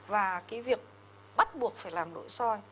và cái việc bắt buộc phải làm nội soi